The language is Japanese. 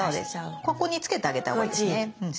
ここにつけてあげたほうがいいですね。